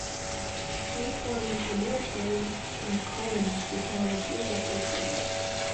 Reform of the military in the colonies began a few decades later.